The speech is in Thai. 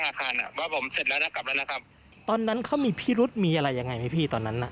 อาคารอ่ะว่าผมเสร็จแล้วนะกลับแล้วนะครับตอนนั้นเขามีพิรุษมีอะไรยังไงไหมพี่ตอนนั้นน่ะ